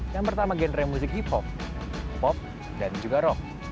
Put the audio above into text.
yang pertama genre musik hip hop pop dan juga rock